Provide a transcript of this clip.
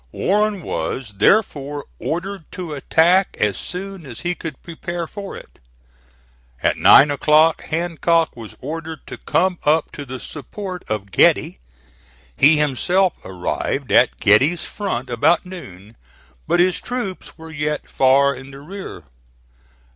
Warren was, therefore, ordered to attack as soon as he could prepare for it. At nine o'clock Hancock was ordered to come up to the support of Getty. He himself arrived at Getty's front about noon, but his troops were yet far in the rear.